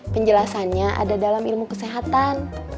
penjelasannya ada dalam ilmu kesehatan